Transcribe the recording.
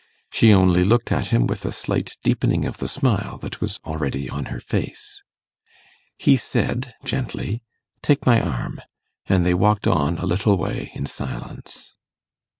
She only looked at him with a slight deepening of the smile that was already on her face. He said gently, 'Take my arm'; and they walked on a little way in silence.